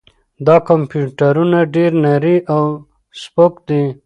دا کمپیوټر ډېر نری او سپک دی.